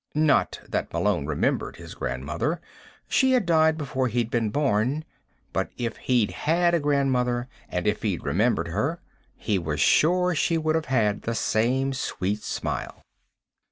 Not that Malone remembered his grandmother; she had died before he'd been born. But if he'd had a grandmother, and if he'd remembered her, he was sure she would have had the same sweet smile.